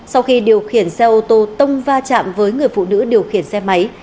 sau khi điều khiển xe ô tô tông va chạm với người phụ nữ điều khiển xe máy